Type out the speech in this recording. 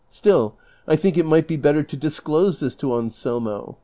Still, I think it miirht be better to disclose this to Ansel rao.